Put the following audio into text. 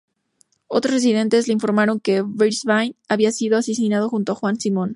Otros residentes le informaron que Brisbane había sido asesinado, junto a Juan Simón.